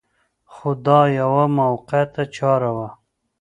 خو دا یوه موقته چاره وه.